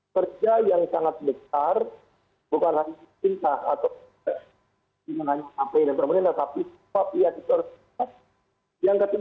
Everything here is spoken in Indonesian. setobox setobox untuk